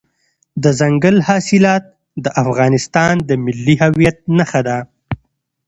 دځنګل حاصلات د افغانستان د ملي هویت نښه ده.